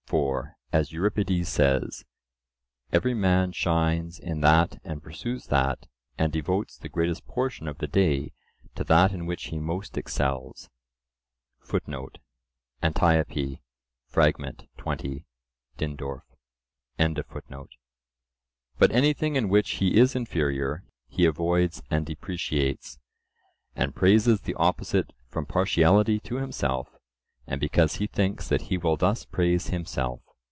For, as Euripides says, "Every man shines in that and pursues that, and devotes the greatest portion of the day to that in which he most excels," (Antiope, fragm. 20 (Dindorf).) but anything in which he is inferior, he avoids and depreciates, and praises the opposite from partiality to himself, and because he thinks that he will thus praise himself.